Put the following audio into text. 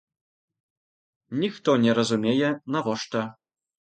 Ніхто не разумее, навошта.